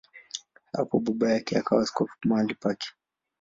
Hapo baba yake akawa askofu mahali pake.